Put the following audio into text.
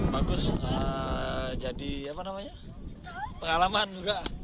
bagus jadi pengalaman juga